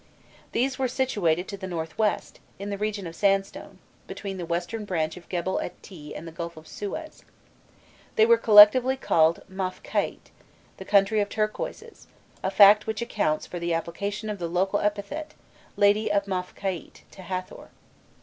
These were situated to the north west, in the region of sandstone, between the western branch of Gebel et Tîh and the Gulf of Suez. They were collectively called Mafkaît, the country of turquoises, a fact which accounts for the application of the local epithet, lady of Mafkaît, to Hâthor.